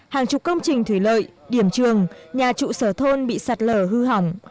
hàng chục công trình thủy lợi điểm trường nhà trụ sở thôn bị sạt lở hư hỏng